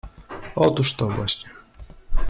— Otóż to właśnie.